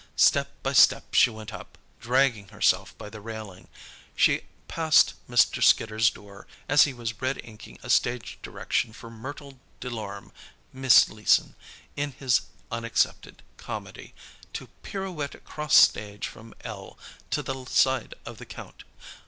Step by step she went up, dragging herself by the railing. She passed Mr. Skidder's door as he was red inking a stage direction for Myrtle Delorme (Miss Leeson) in his (unaccepted) comedy, to "pirouette across stage from L to the side of the Count."